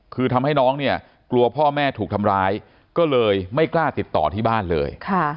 คือทำให้น้องเนี่ยกลัวพ่อแม่ถูกทำร้ายก็เลยไม่กล้าติดต่อที่บ้านเลย